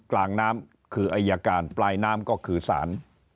กลางน้ำคืออายการปลายน้ำก็คือสาร